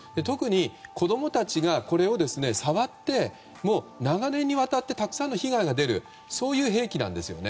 特に子供たちがこれを触って長年に渡ってたくさんの被害が出るそういう兵器なんです。